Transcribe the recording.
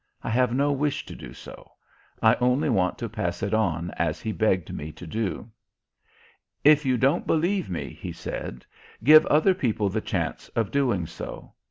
I have no wish to do so. I only want to pass it on as he begged me to do. "If you don't believe me," he said, "give other people the chance of doing so.